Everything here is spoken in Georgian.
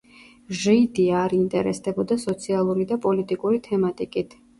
ჟიდი არ ინტერესდებოდა სოციალური და პოლიტიკური თემატიკით.